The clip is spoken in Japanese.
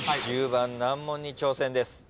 １０番難問に挑戦です。